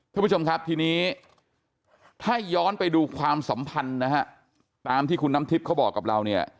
ท่านผู้ชมครับทีนี้ถ้าย้อนไปดูความสัมพันธ์นะฮะตามที่คุณน้ำทิพย์เขาบอกกับเราเนี่ย